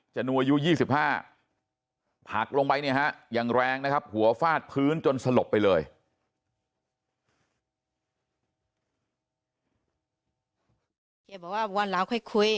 จนูอายุ๒๕ผลักลงไปเนี่ยฮะอย่างแรงนะครับหัวฟาดพื้นจนสลบไปเลย